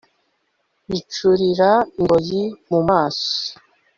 bicurira ingoyi mumaso